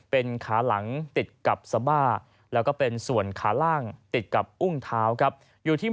เป็นขาหลังติดกับสบ้าแล้วก็เป็นส่วนขาล่างติดกับอุ้งเท้าครับอยู่ที่